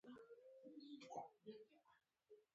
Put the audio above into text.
دوی د سیاسي اهدافو د ترلاسه کولو په لټه کې دي